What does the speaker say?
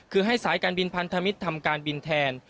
คือให้สายการบินพันธมิตรทำการบินแทน